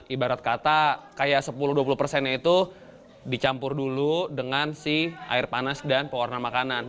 ibarat kata kayak sepuluh dua puluh persennya itu dicampur dulu dengan si air panas dan pewarna makanan